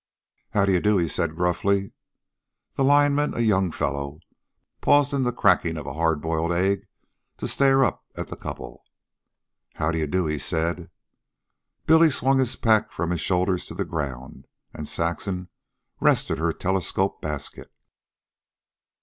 "How do you do," he said gruffly. The lineman, a young fellow, paused in the cracking of a hard boiled egg to stare up at the couple. "How do you do," he said. Billy swung his pack from his shoulders to the ground, and Saxon rested her telescope basket.